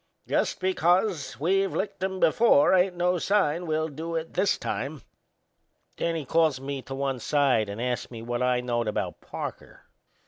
Just because we've licked 'em before ain't no sign we'll do it this time." Then he calls me to one side and ast me what I knowed about Parker.